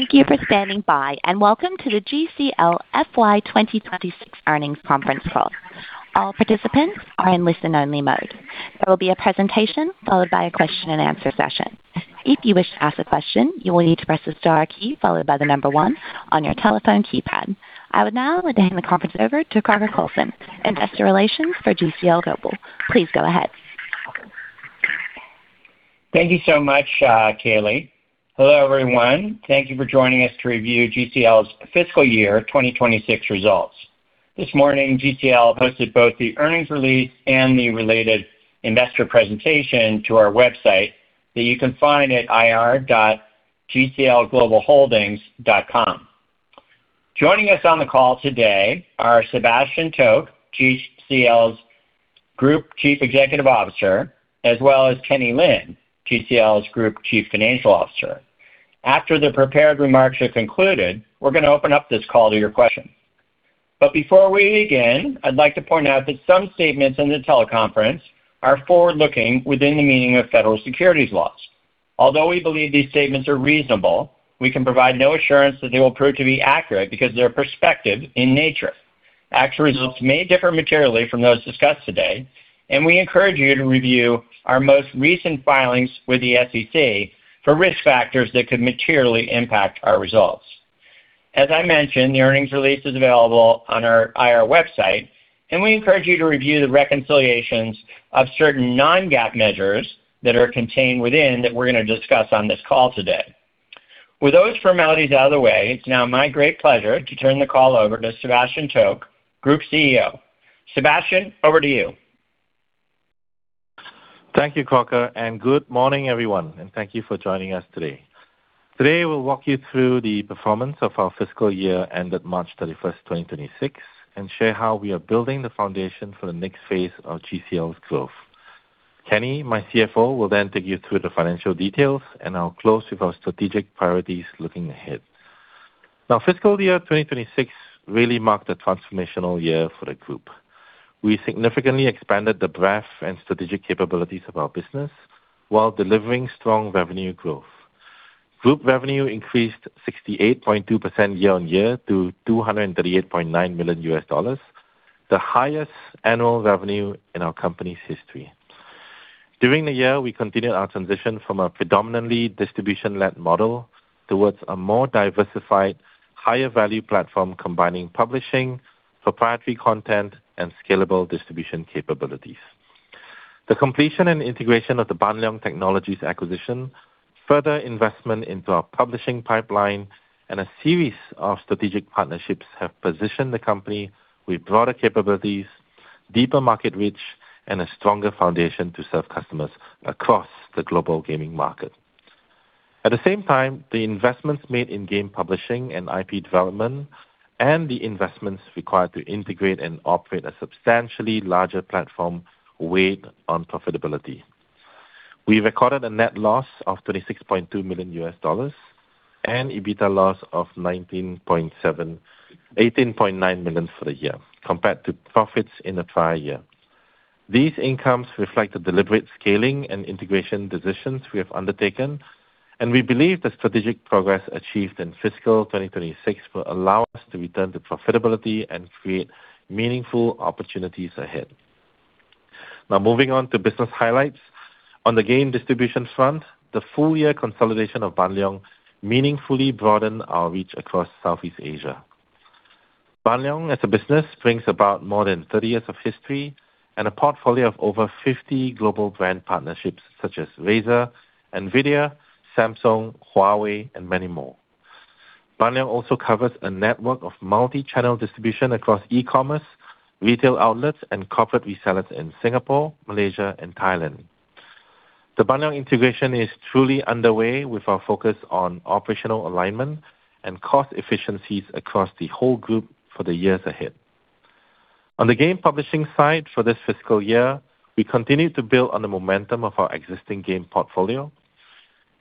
Thank you for standing by, welcome to the GCL FY 2026 Earnings Conference Call. All participants are in listen-only mode. There will be a presentation followed by a question-and-answer session. If you wish to ask a question, you will need to press the star key followed by the number one on your telephone keypad. I would now like to hand the conference over to Crocker Coulson, Investor Relations for GCL Global. Please go ahead. Thank you so much, Kaylee. Hello, everyone. Thank you for joining us to review GCL's fiscal year 2026 results. This morning, GCL posted both the earnings release and the related investor presentation to our website that you can find at ir.gclglobalholdings.com. Joining us on the call today are Sebastian Toke, GCL's Group Chief Executive Officer, as well as Kenny Lin, GCL's Group Chief Financial Officer. After the prepared remarks are concluded, we're going to open up this call to your questions. Before we begin, I'd like to point out that some statements in the teleconference are forward-looking within the meaning of federal securities laws. Although we believe these statements are reasonable, we can provide no assurance that they will prove to be accurate because they are prospective in nature. Actual results may differ materially from those discussed today. We encourage you to review our most recent filings with the SEC for risk factors that could materially impact our results. As I mentioned, the earnings release is available on our IR website. We encourage you to review the reconciliations of certain non-GAAP measures that are contained within that we're going to discuss on this call today. With those formalities out of the way, it's now my great pleasure to turn the call over to Sebastian Toke, Group Chief Executive Officer. Sebastian, over to you. Thank you, Crocker, good morning, everyone, thank you for joining us today. Today, we'll walk you through the performance of our fiscal year ended March 31st, 2026, share how we are building the foundation for the next phase of GCL's growth. Kenny, my Chief Financial Officer, will take you through the financial details, I'll close with our strategic priorities looking ahead. Fiscal year 2026 really marked a transformational year for the group. We significantly expanded the breadth and strategic capabilities of our business while delivering strong revenue growth. Group revenue increased 68.2% year-on-year to $238.9 million, the highest annual revenue in our company's history. During the year, we continued our transition from a predominantly distribution-led model towards a more diversified, higher-value platform combining publishing, proprietary content, and scalable distribution capabilities. The completion and integration of the Ban Leong Technologies acquisition, further investment into our publishing pipeline, and a series of strategic partnerships have positioned the company with broader capabilities, deeper market reach, and a stronger foundation to serve customers across the global gaming market. At the same time, the investments made in game publishing and IP development and the investments required to integrate and operate a substantially larger platform weighed on profitability. We recorded a net loss of $36.2 million and EBITDA loss of $18.9 million for the year, compared to profits in the prior year. These incomes reflect the deliberate scaling and integration decisions we have undertaken, and we believe the strategic progress achieved in fiscal 2026 will allow us to return to profitability and create meaningful opportunities ahead. Moving on to business highlights. On the game distribution front, the full-year consolidation of Ban Leong meaningfully broadened our reach across Southeast Asia. Ban Leong, as a business, brings about more than 30 years of history and a portfolio of over 50 global brand partnerships such as Razer, NVIDIA, Samsung, Huawei, and many more. Ban Leong also covers a network of multi-channel distribution across e-commerce, retail outlets, and corporate resellers in Singapore, Malaysia, and Thailand. The Ban Leong integration is truly underway, with our focus on operational alignment and cost efficiencies across the whole group for the years ahead. On the game publishing side for this fiscal year, we continued to build on the momentum of our existing game portfolio.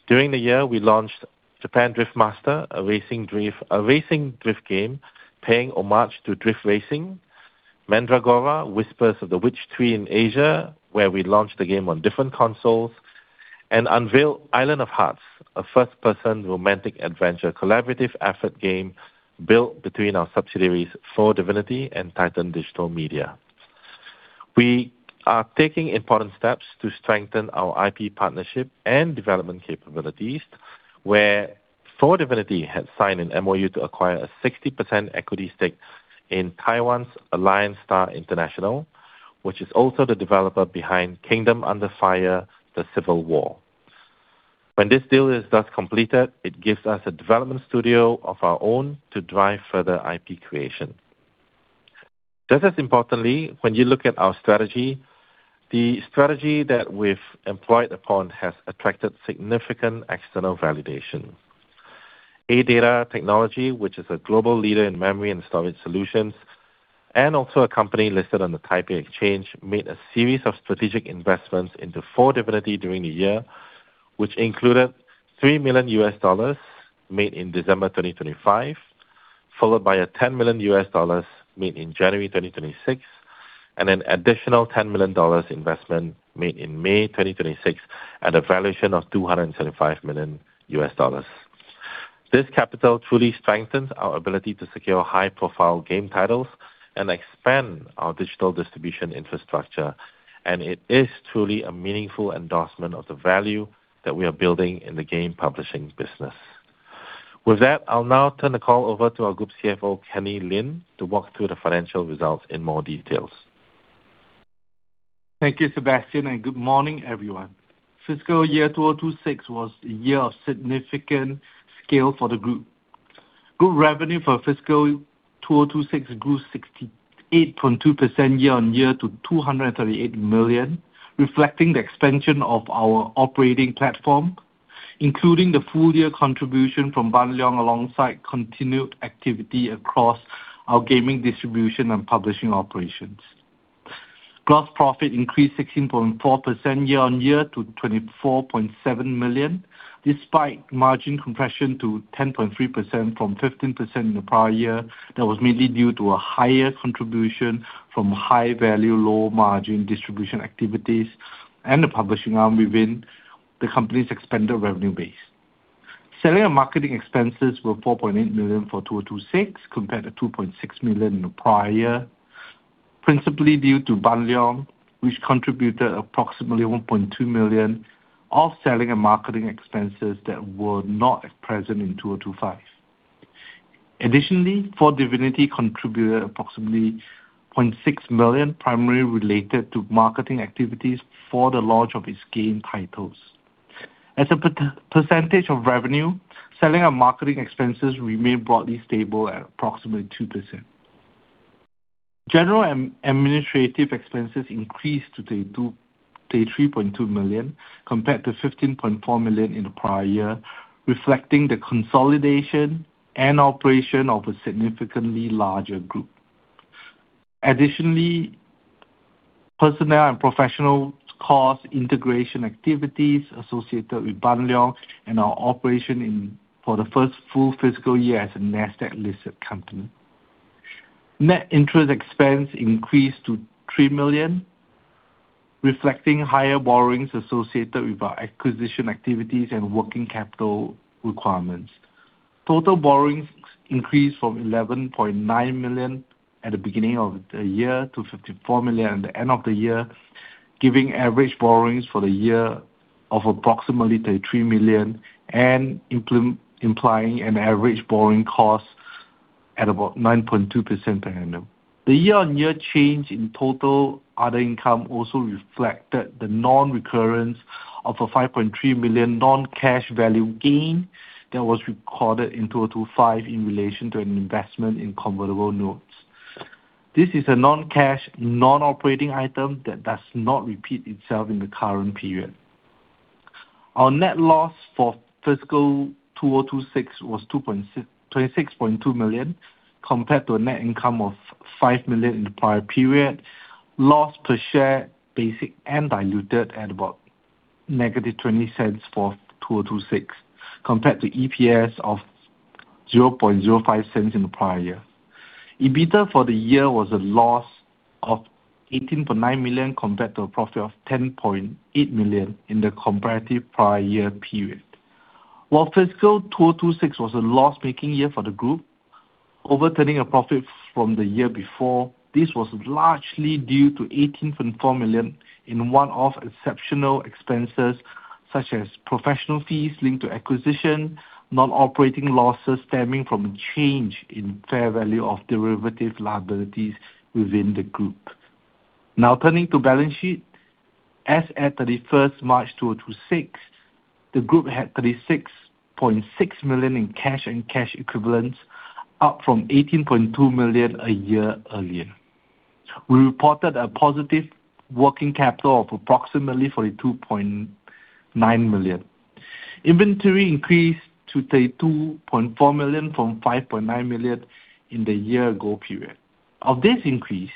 During the year, we launched JDM: Japanese Drift Master, a racing drift game paying homage to drift racing, Mandragora: Whispers of the Witch Tree in Asia, where we launched the game on different consoles, and unveiled Island of Hearts, a first-person romantic adventure collaborative effort game built between our subsidiaries 4Divinity and Titan Digital Media. We are taking important steps to strengthen our IP partnership and development capabilities, where 4Divinity had signed an MOU to acquire a 60% equity stake in Taiwan's Alliance-Star International, which is also the developer behind Kingdom Under Fire: The Civil War. When this deal is thus completed, it gives us a development studio of our own to drive further IP creation. When you look at our strategy, the strategy that we've employed upon has attracted significant external validation. ADATA Technology, which is a global leader in memory and storage solutions, and also a company listed on the Taipei Exchange, made a series of strategic investments into 4Divinity during the year, which included $3 million made in December 2025 followed by a $10 million made in January 2026, and an additional $10 million investment made in May 2026 at a valuation of $275 million. This capital truly strengthens our ability to secure high-profile game titles and expand our digital distribution infrastructure, and it is truly a meaningful endorsement of the value that we are building in the game publishing business. I'll now turn the call over to our group Chief Financial Officer, Kenny Lin, to walk through the financial results in more details. Thank you, Sebastian, good morning, everyone. Fiscal year 2026 was a year of significant scale for the group. Group revenue for fiscal 2026 grew 68.2% year-on-year to $238 million, reflecting the expansion of our operating platform, including the full year contribution from Ban Leong, alongside continued activity across our gaming distribution and publishing operations. Gross profit increased 16.4% year-on-year to $24.7 million, despite margin compression to 10.3% from 15% in the prior year that was mainly due to a higher contribution from high-value, low-margin distribution activities and the publishing arm within the company's expanded revenue base. Selling and marketing expenses were $4.8 million for 2026 compared to $2.6 million in the prior year, principally due to Ban Leong, which contributed approximately $1.2 million of selling and marketing expenses that were not as present in 2025. 4Divinity contributed approximately $0.6 million primary related to marketing activities for the launch of its game titles. As a percentage of revenue, selling and marketing expenses remain broadly stable at approximately 2%. General administrative expenses increased to $33.2 million compared to $15.4 million in the prior year, reflecting the consolidation and operation of a significantly larger group. Personnel and professional cost integration activities associated with Ban Leong and our operation for the first full fiscal year as a Nasdaq-listed company. Net interest expense increased to $3 million, reflecting higher borrowings associated with our acquisition activities and working capital requirements. Total borrowings increased from $11.9 million at the beginning of the year to $54 million at the end of the year, giving average borrowings for the year of approximately $33 million and implying an average borrowing cost at about 9.2% per annum. The year-on-year change in total other income also reflected the non-recurrence of a $5.3 million non-cash value gain that was recorded in 2025 in relation to an investment in convertible notes. This is a non-cash, non-operating item that does not repeat itself in the current period. Our net loss for fiscal 2026 was $36.2 million, compared to a net income of $5 million in the prior period. Loss per share, basic and diluted at about -$0.20 for 2026, compared to EPS of $0.05 in the prior year. EBITDA for the year was a loss of $18.9 million, compared to a profit of $10.8 million in the comparative prior year period. While fiscal 2026 was a loss-making year for the group, overturning a profit from the year before, this was largely due to $18.4 million in one-off exceptional expenses, such as professional fees linked to acquisition, non-operating losses stemming from a change in fair value of derivative liabilities within the group. Turning to balance sheet. As at 31st March 2026, the group had $36.6 million in cash and cash equivalents, up from $18.2 million a year earlier. We reported a positive working capital of approximately $42.9 million. Inventory increased to $32.4 million from $5.9 million in the year ago period. Of this increase,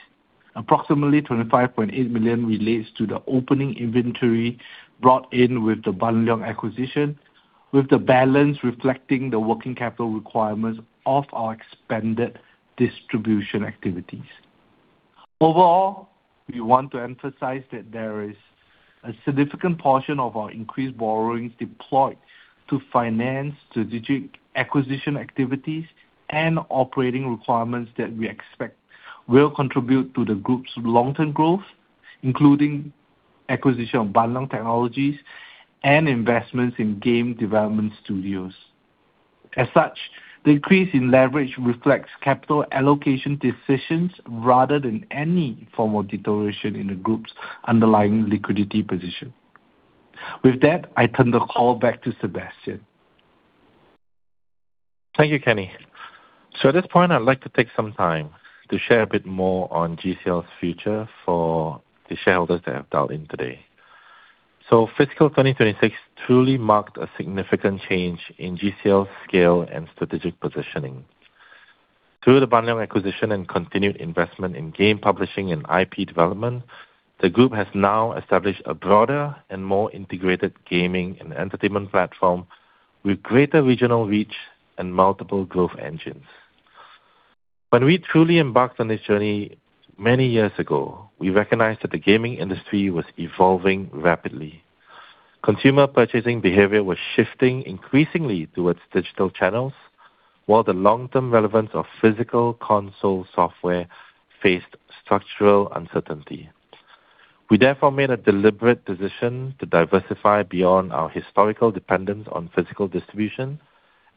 approximately $25.8 million relates to the opening inventory brought in with the Ban Leong acquisition, with the balance reflecting the working capital requirements of our expanded distribution activities. Overall, we want to emphasize that there is a significant portion of our increased borrowings deployed to finance strategic acquisition activities and operating requirements that we expect will contribute to the group's long-term growth, including acquisition of Ban Leong Technologies and investments in game development studios. As such, the increase in leverage reflects capital allocation decisions rather than any form of deterioration in the group's underlying liquidity position. With that, I turn the call back to Sebastian. Thank you, Kenny. At this point, I'd like to take some time to share a bit more on GCL's future for the shareholders that have dialed in today. Fiscal 2026 truly marked a significant change in GCL's scale and strategic positioning. Through the Ban Leong Technologies acquisition and continued investment in game publishing and IP development The group has now established a broader and more integrated gaming and entertainment platform with greater regional reach and multiple growth engines. When we truly embarked on this journey many years ago, we recognized that the gaming industry was evolving rapidly. Consumer purchasing behavior was shifting increasingly towards digital channels, while the long-term relevance of physical console software faced structural uncertainty. We therefore made a deliberate decision to diversify beyond our historical dependence on physical distribution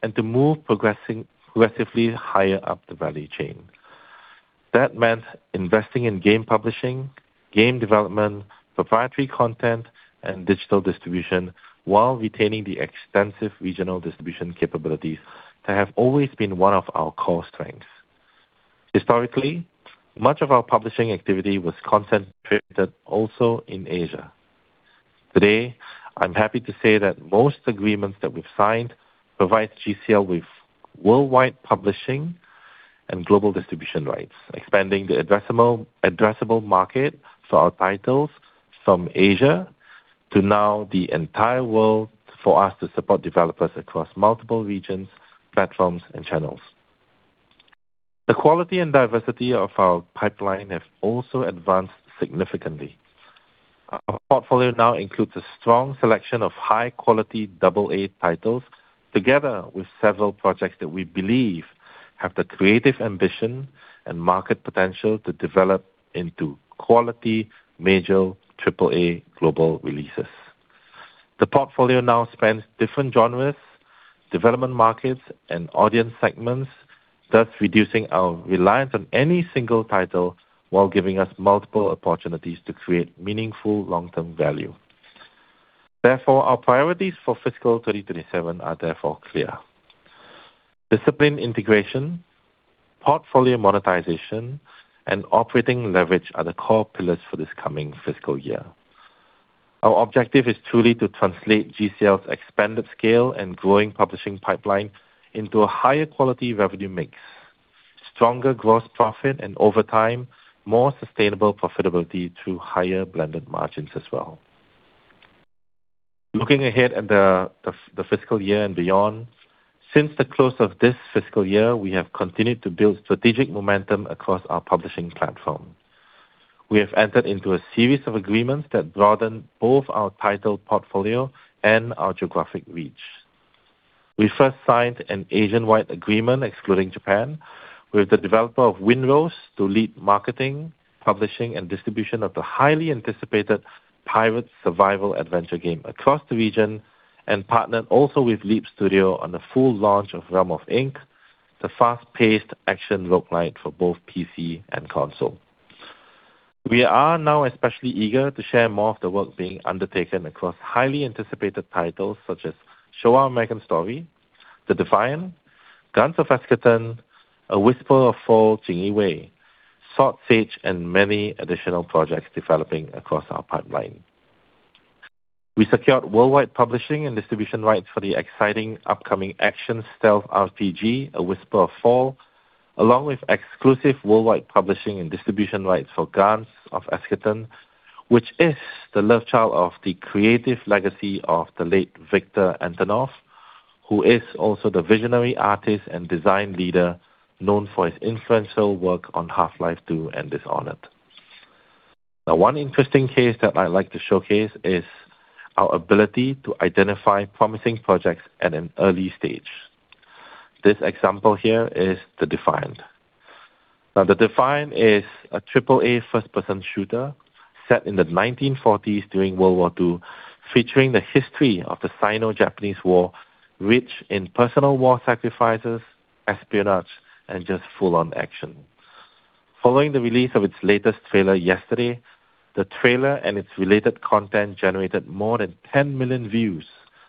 and to move progressively higher up the value chain. That meant investing in game publishing, game development, proprietary content, and digital distribution while retaining the extensive regional distribution capabilities that have always been one of our core strengths. Historically, much of our publishing activity was concentrated also in Asia. Today, I'm happy to say that most agreements that we've signed provide GCL with worldwide publishing and global distribution rights, expanding the addressable market for our titles from Asia to now the entire world for us to support developers across multiple regions, platforms, and channels. The quality and diversity of our pipeline have also advanced significantly. Our portfolio now includes a strong selection of high-quality AA titles together with several projects that we believe have the creative ambition and market potential to develop into quality major AAA global releases. The portfolio now spans different genres, development markets, and audience segments, thus reducing our reliance on any single title while giving us multiple opportunities to create meaningful long-term value. Our priorities for fiscal 2027 are therefore clear. Disciplined integration, portfolio monetization, and operating leverage are the core pillars for this coming fiscal year. Our objective is truly to translate GCL's expanded scale and growing publishing pipeline into a higher quality revenue mix, stronger gross profit, and over time, more sustainable profitability through higher blended margins as well. Looking ahead at the fiscal year and beyond, since the close of this fiscal year, we have continued to build strategic momentum across our publishing platform. We have entered into a series of agreements that broaden both our title portfolio and our geographic reach. We first signed an Asian-wide agreement, excluding Japan, with the developer of Windrose to lead marketing, publishing, and distribution of the highly anticipated pirate survival adventure game across the region and partnered also with Leap Studio on the full launch of Realm of Ink, the fast-paced action roguelike for both PC and console. We are now especially eager to share more of the work being undertaken across highly anticipated titles such as Showa American Story, The Defiant, Guns of Eschaton, A Whisper of Fall: Jinyiwei, Sword Sage, and many additional projects developing across our pipeline. We secured worldwide publishing and distribution rights for the exciting upcoming action stealth RPG, A Whisper of Fall, along with exclusive worldwide publishing and distribution rights for Guns of Eschaton, which is the lovechild of the creative legacy of the late Viktor Antonov, who is also the visionary artist and design leader known for his influential work on Half-Life 2 and Dishonored. One interesting case that I like to showcase is our ability to identify promising projects at an early stage. This example here is The Defiant. The Defiant is a triple-A first-person shooter set in the 1940s during World War II, featuring the history of the Sino-Japanese War, rich in personal war sacrifices, espionage, and just full-on action. Following the release of its latest trailer yesterday, the trailer and its related content generated more than 10 million views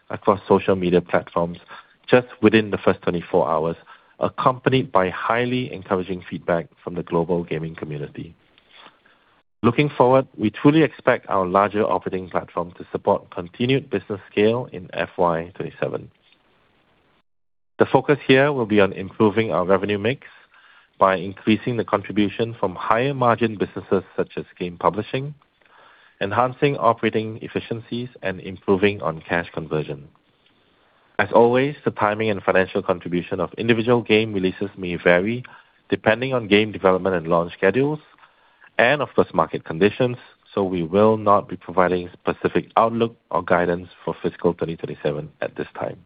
across social media platforms just within the first 24 hours, accompanied by highly encouraging feedback from the global gaming community. Looking forward, we truly expect our larger operating platform to support continued business scale in FY 2027. The focus here will be on improving our revenue mix by increasing the contribution from higher-margin businesses such as game publishing, enhancing operating efficiencies, and improving on cash conversion. As always, the timing and financial contribution of individual game releases may vary depending on game development and launch schedules, and of course, market conditions, so we will not be providing specific outlook or guidance for fiscal 2027 at this time.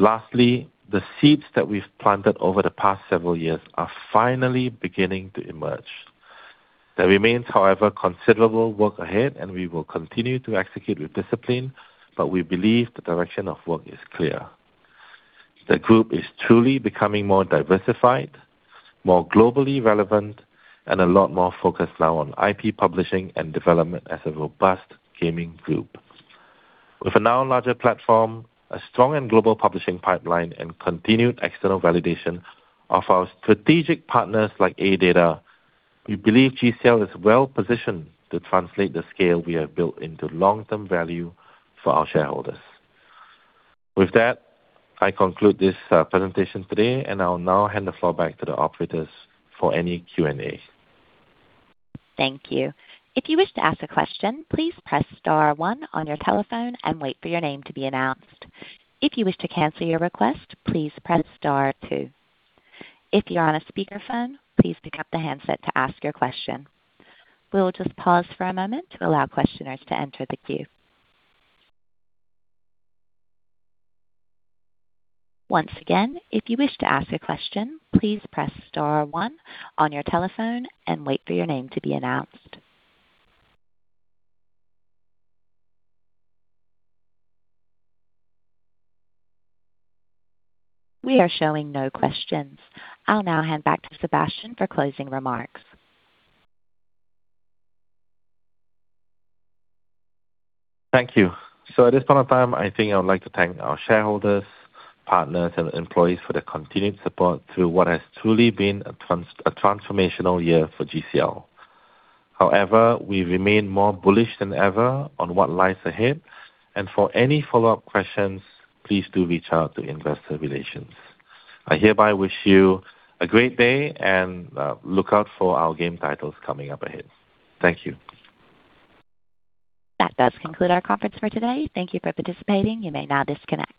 Lastly, the seeds that we've planted over the past several years are finally beginning to emerge. There remains, however, considerable work ahead. We will continue to execute with discipline, we believe the direction of work is clear. The group is truly becoming more diversified, more globally relevant, and a lot more focused now on IP publishing and development as a robust gaming group. With a now larger platform, a strong and global publishing pipeline, and continued external validation of our strategic partners like ADATA, we believe GCL is well-positioned to translate the scale we have built into long-term value for our shareholders. With that, I conclude this presentation today, I'll now hand the floor back to the operators for any Q&A. Thank you. If you wish to ask a question, please press star one on your telephone and wait for your name to be announced. If you wish to cancel your request, please press star two. If you're on a speakerphone, please pick up the handset to ask your question. We will just pause for a moment to allow questioners to enter the queue. Once again, if you wish to ask a question, please press star one on your telephone and wait for your name to be announced. We are showing no questions. I'll now hand back to Sebastian for closing remarks. Thank you. At this point of time, I think I would like to thank our shareholders, partners, and employees for their continued support through what has truly been a transformational year for GCL. However, we remain more bullish than ever on what lies ahead. For any follow-up questions, please do reach out to Investor Relations. I hereby wish you a great day and look out for our game titles coming up ahead. Thank you. That does conclude our conference for today. Thank you for participating. You may now disconnect.